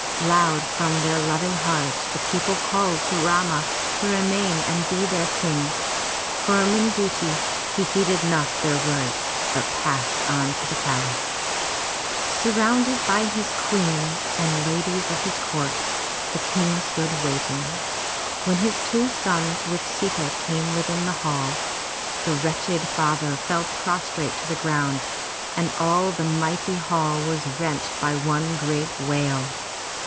Loud from theif loving hearts the people called to Rama to remain and be their King. Firm in duty, he heeded not their words but passed on to the palace. Surrounded by his queens and ladies of his court, the King stood waiting. When his two sons with Sita came within the hall, the wretched father fell prostrate to the ground, and all the mighty hall was rent by one great wail.